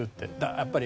やっぱり。